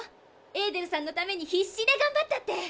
エーデルさんのために必死でがんばったって。